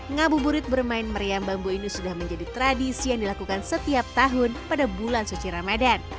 ngabuburit bermain meriam bambu ini sudah menjadi tradisi yang dilakukan setiap tahun pada bulan suci ramadan